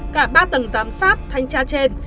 cả ba tầng giám sát thanh tra trên